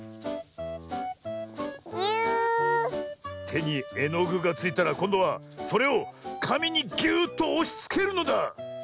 てにえのぐがついたらこんどはそれをかみにぎゅっとおしつけるのだ。